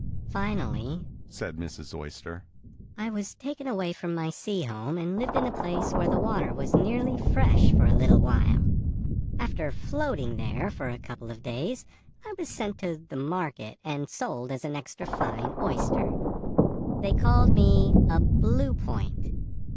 "Finally," said Mrs. Oyster, "I was taken away from my sea home and lived in a place where the water was nearly fresh for a little while. After 'floating' here for a couple of days I was sent to the market and sold as an extra fine oyster. They called me a 'blue point.